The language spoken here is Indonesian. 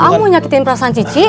aku mau nyakitin perasaan cici